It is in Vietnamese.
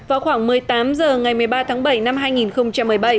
vào khoảng một mươi tám h ngày một mươi ba tháng bảy năm hai nghìn một mươi bảy